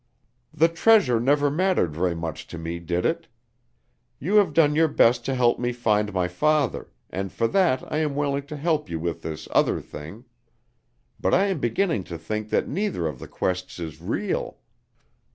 "The treasure never mattered very much to me, did it? You have done your best to help me find my father, and for that I am willing to help you with this other thing. But I am beginning to think that neither of the quests is real."